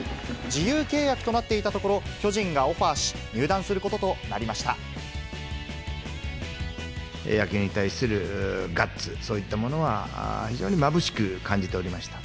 自由契約となっていたところ、巨人がオファーし、野球に対するガッツ、そういったものは、非常にまぶしく感じておりました。